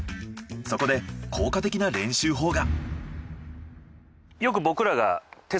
そこで効果的な練習法が。